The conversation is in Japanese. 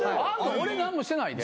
俺何もしてないで。